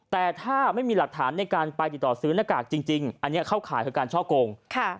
แต่ถ้าไม่มีหลักฐานในการไปติดต่อซื้อหน้ากากจริงอันนี้เข้าข่ายคือการช่อโกง